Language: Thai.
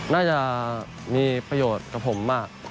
น่าจะมีประโยชน์กับผมมาก